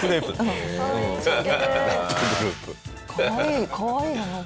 かわいいかわいいななんか。